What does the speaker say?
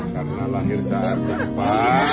karena lahir saat gempa